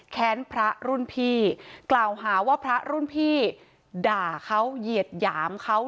พระรุ่นพี่กล่าวหาว่าพระรุ่นพี่ด่าเขาเหยียดหยามเขา